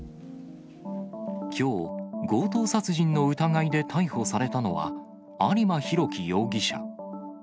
きょう、強盗殺人の疑いで逮捕されたのは、有馬滉希容疑者。